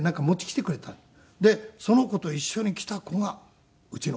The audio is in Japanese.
でその子と一緒に来た子がうちのかみさん。